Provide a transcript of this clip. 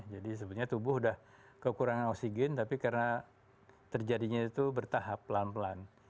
jadi sebetulnya tubuh sudah kekurangan oksigen tapi karena terjadinya itu bertahap pelan pelan